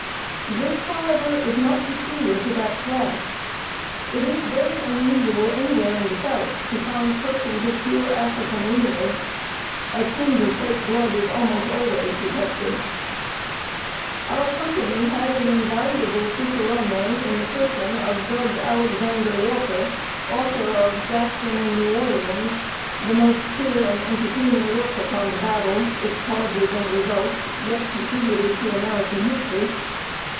This, however, is not peculiar to that class. It is very unusual anywhere in the South to find persons of pure African lineage. A tinge of white blood is almost always detected. Our company had an invaluable cicerone in the person of Judge Alexander Walker, author of "Jackson and New Orleans," the most clear and entertaining work upon the battle, its causes and results, yet contributed to American history.